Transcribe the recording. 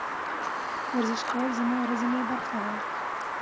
ورزش کول زما ورځنۍ برخه ده.